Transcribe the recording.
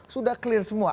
sudah clear semua